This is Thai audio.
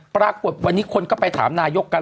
ปรากฏวันนี้คนก็ไปถามนายกกัน